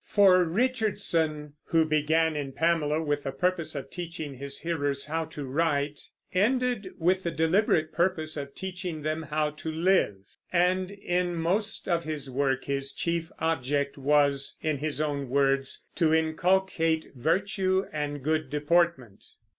For Richardson, who began in Pamela with the purpose of teaching his hearers how to write, ended with the deliberate purpose of teaching them how to live; and in most of his work his chief object was, in his own words, to inculcate virtue and good deportment.